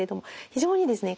非常にですね